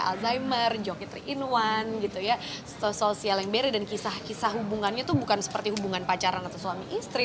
alzheimer joki tiga in satu sosial yang beri dan kisah kisah hubungannya itu bukan seperti hubungan pacaran atau suami istri